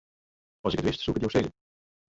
As ik it wist, soe ik it jo sizze.